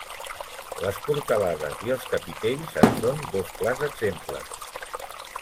Les portalades i els capitells en són dos clars exemples.